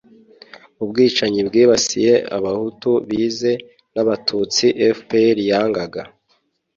ubwicanyi bwibasiye abahutu bize n’abatutsi fpr yangaga